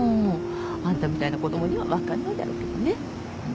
あんたみたいな子供には分かんないだろうけどね。